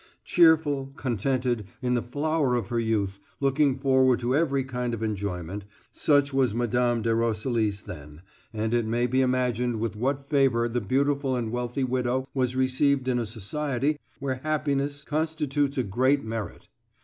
Cheerful, contented, in the flower of her youth, looking forward to every kind of enjoyment, such was Mme. de Roselis then, and it may be imagined with what favor the beautiful and wealthy widow was received in a society where happiness constitutes a great merit.